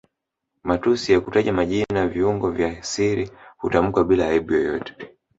Matusi ya kutaja majina viungo vya siri hutamkwa bila aibu yoyote